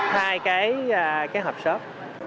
hai cái hộp xốp